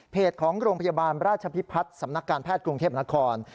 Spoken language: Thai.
ของโรงพยาบาลราชพิพัฒน์สำนักการแพทย์กรุงเทพนคร